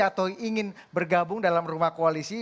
atau ingin bergabung dalam rumah koalisi